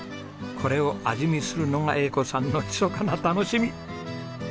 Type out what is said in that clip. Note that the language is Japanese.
これを味見するのが英子さんのひそかな楽しみ！